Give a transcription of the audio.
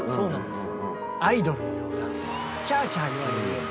アイドルのようなキャーキャー言われるような。